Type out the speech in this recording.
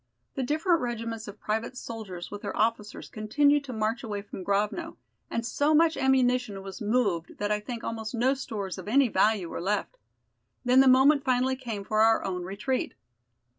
The different regiments of private soldiers with their officers continued to march away from Grovno, and so much ammunition was moved that I think almost no stores of any value were left. Then the moment finally came for our own retreat."